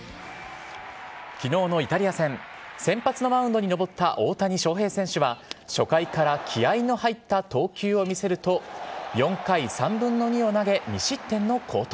昨日のイタリア戦先発のマウンドに登った大谷翔平選手は初回から気合の入った投球を見せると４回、３分の２を投げ２失点の好投。